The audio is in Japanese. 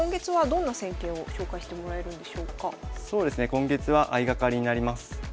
今月は相掛かりになります。